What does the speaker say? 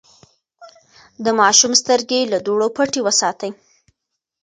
د ماشوم سترګې له دوړو پټې وساتئ.